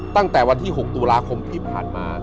ตั้งแต่วันที่๖ตุลาคมที่ผ่านมา